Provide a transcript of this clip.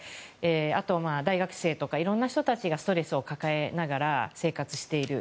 あと大学生とかいろんな人たちがストレスを抱えながら生活している。